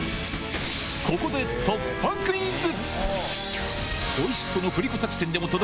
ここで突破クイズ！